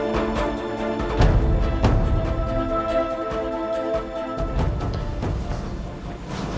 tapi mbu ina belum